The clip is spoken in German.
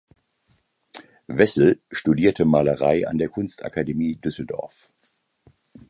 Wessel studierte Malerei an der Kunstakademie Düsseldorf.